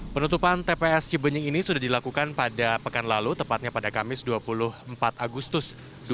penutupan tps cibenying ini sudah dilakukan pada pekan lalu tepatnya pada kamis dua puluh empat agustus dua ribu dua puluh